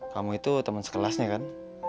kamu itu teman sekelasnya kan